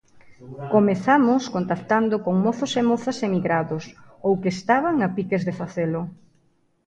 Comezamos contactando con mozos e mozas emigrados, ou que estaban a piques de facelo.